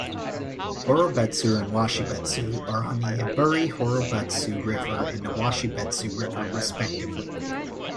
Horobetsu and Washibetsu are on the Iburi-horobetsu River and the Washibetsu River respectively.